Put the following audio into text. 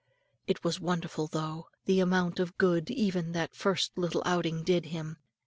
It was wonderful, though, the amount of good even that first little outing did him.